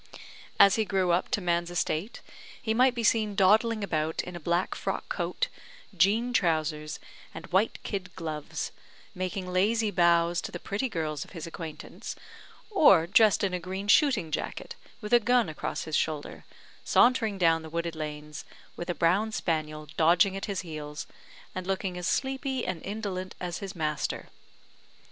As he grew up to man's estate, he might be seen dawdling about in a black frock coat, jean trousers, and white kid gloves, making lazy bows to the pretty girls of his acquaintance; or dressed in a green shooting jacket, with a gun across his shoulder, sauntering down the wooded lanes, with a brown spaniel dodging at his heels, and looking as sleepy and indolent as his master.